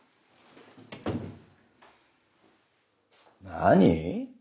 何？